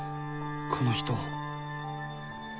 この人を。